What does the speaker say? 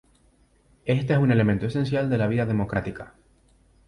Éste es un elemento esencial de la vida democrática.